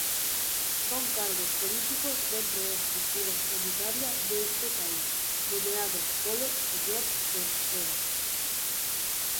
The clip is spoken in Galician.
Son cargos políticos dentro da estrutura sanitaria deste país nomeados polo señor Cerceda.